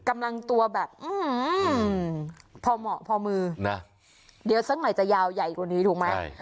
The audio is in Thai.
กำลังตัวแบบพอเหมาะพอมือนะเดี๋ยวสักหน่อยจะยาวใหญ่กว่านี้ถูกไหม